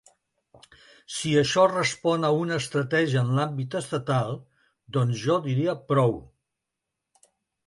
Si això respon a una estratègia en l’àmbit estatal, doncs jo diria prou.